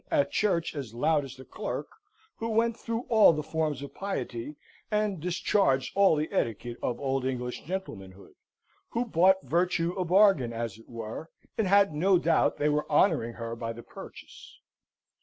at church as loud as the clerk; who went through all the forms of piety, and discharged all the etiquette of old English gentlemanhood; who bought virtue a bargain, as it were, and had no doubt they were honouring her by the purchase.